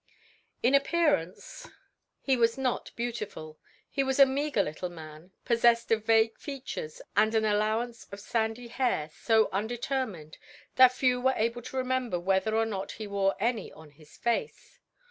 In appearance he was not beautiful: he was a meagre little man, possessed of vague features and an allowance of sandy hair so undetermined that few were able to remember whether or not he wore any on his face.